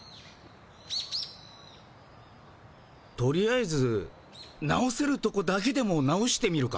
とりあえず直せるとこだけでも直してみるか。